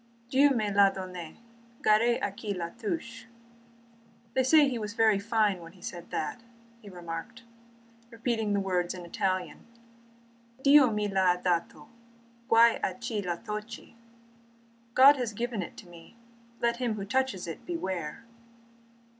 "'Dieu me la donne, gare à qui la touche!'' * They say he was very fine when he said that," he remarked, repeating the words in Italian: "'Dio mi l'ha dato. Guai a chi la tocchi!'' * God has given it to me, let him who touches it beware!